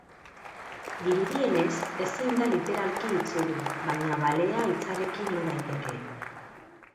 Dirudienez, ezin da literalki itzuli baina balea hitzarekin lo daiteke.